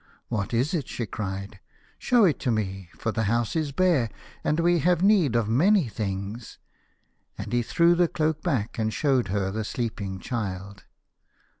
"What is it ?" she cried. " Show it to me, for the house is bare, and we have need of many things." And he drew the cloak back, and showed her the sleeping child.